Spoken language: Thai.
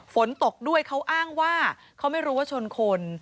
ฝนตกด้วยเขาอ้างว่าเขาไม่รู้ว่าชนคน